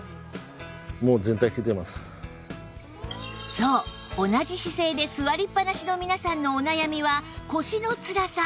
そう同じ姿勢で座りっぱなしの皆さんのお悩みは腰のつらさ